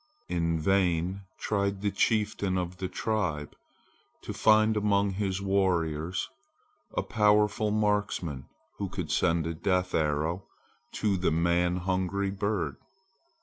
In vain tried the chieftain of the tribe to find among his warriors a powerful marksman who could send a death arrow to the man hungry bird.